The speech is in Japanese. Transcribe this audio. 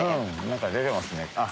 何か出てますね。